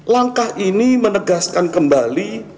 langkah ini menegaskan kembali